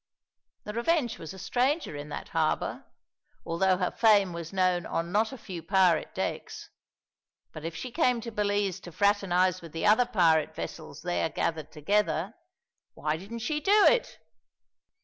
The Revenge was a stranger in that harbour, although her fame was known on not a few pirate decks; but if she came to Belize to fraternize with the other pirate vessels there gathered together, why didn't she do it?